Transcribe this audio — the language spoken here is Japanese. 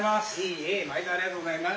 ありがとうございます。